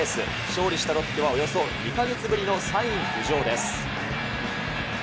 勝利したロッテは、およそ２か月ぶりの３位浮上です。